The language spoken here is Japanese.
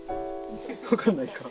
分かんないか。